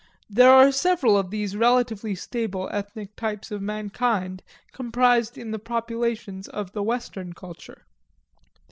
There are several of these relatively stable ethnic types of mankind comprised in the populations of the Western culture.